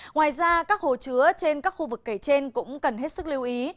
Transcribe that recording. ngoài ra các hồ chứa trên các khu vực kể trên cũng cần hết sức lưu ý